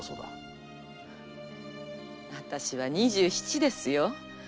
あたしは二十七ですよ。